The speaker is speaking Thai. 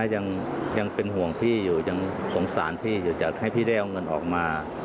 ยังเป็นห่วงพี่อยู่ยังสงสารพี่อยู่จัดให้พี่ได้เอาเงินออกมา